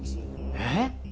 えっ？